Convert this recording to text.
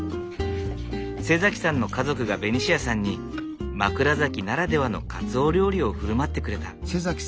さんの家族がベニシアさんに枕崎ならではのかつお料理を振る舞ってくれた。